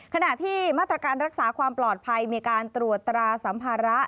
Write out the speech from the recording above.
ขณะที่มาตรการรักษาความปลอดภัยมีการตรวจตราสัมภาระ